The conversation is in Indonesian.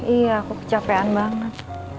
iya aku kecapean banget